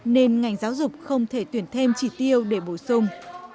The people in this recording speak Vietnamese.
nên ngành giáo dục không thể tuyển thêm chỉ tiêu để bổ sung